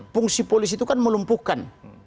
fungsi polisi itu kan melumpuhkan